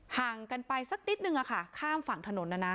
ห่างกันไปสักนิดนึงข้ามฝั่งถนนนะนะ